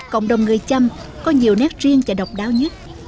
cộng đồng người chăm có nhiều nét riêng và độc đáo nhất